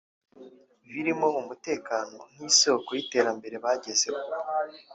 birimo umutekano nk’isoko y’iterambere bagezeho